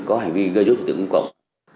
có hành vi gây rút trị tử công cộng